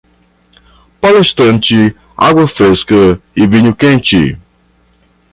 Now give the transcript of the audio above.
Palestrante, água fresca e vinho quente.